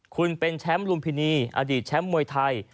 คุณเป็นแชมป์ลุมพินีอดีตแชมป์มวยไทย